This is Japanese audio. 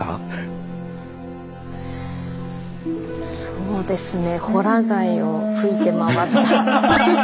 そうですね